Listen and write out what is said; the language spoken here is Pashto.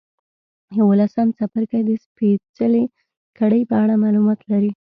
یوولسم څپرکی د سپېڅلې کړۍ په اړه معلومات لري.